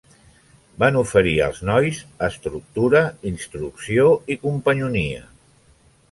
Van oferir als nois estructura, instrucció i companyonia.